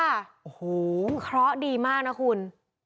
โอ้โหเคราะห์ดีมากนะคุณ